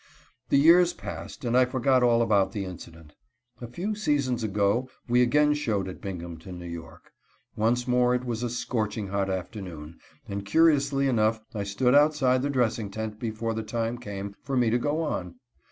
The years passed, and I forgot all about the incident. A few seasons ago we again showed at Binghamton, N. Y. Once more it was a scorching hot afternoon, and curiously enough I stood outside the dressing tent before the time came for me to go on.